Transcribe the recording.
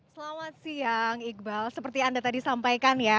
selamat siang iqbal seperti anda tadi sampaikan ya